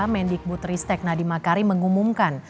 mendikbud ristek nadiem akari mengumumkan